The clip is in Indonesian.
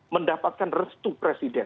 mendapatkan restu presiden